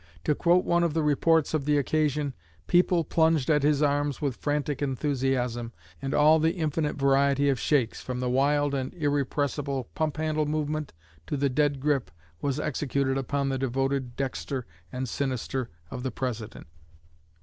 To quote one of the reports of the occasion: 'People plunged at his arms with frantic enthusiasm, and all the infinite variety of shakes, from the wild and irrepressible pump handle movement to the dead grip, was executed upon the devoted dexter and sinister of the President.